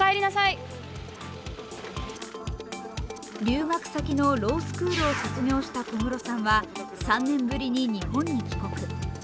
留学先のロースクールを卒業した小室さんは３年ぶりに日本に帰国。